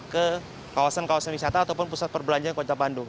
ke kawasan kawasan wisata ataupun pusat perbelanjaan kota bandung